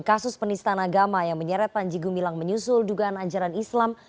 kasus penistaan agama yang menyeret panji gumilang menyusul dugaan ajaran islam